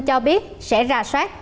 cho biết sẽ ra soát